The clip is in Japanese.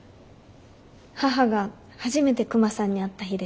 母が初めてクマさんに会った日です。